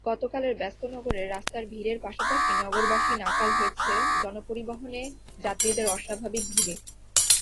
গতকালের ব্যস্ত নগরে রাস্তার ভিড়ের পাশাপাশি নগরবাসী নাকাল হয়েছে জনপরিবহনে যাত্রীদের অস্বাভাবিক ভিড়ে।